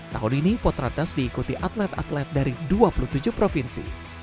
tahun ini potrates diikuti atlet atlet dari dua puluh tujuh provinsi